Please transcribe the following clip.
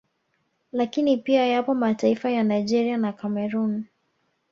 Lakini pia yapo mataifa ya Nigeria na Cameroon